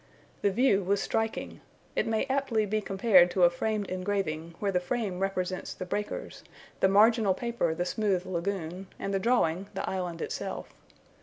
The view was striking: it may aptly be compared to a framed engraving, where the frame represents the breakers, the marginal paper the smooth lagoon, and the drawing the island itself.